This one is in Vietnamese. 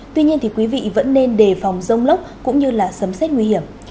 tuy nhiên thì quý vị vẫn nên đề phòng rông lốc cũng như là sấm xét nguy hiểm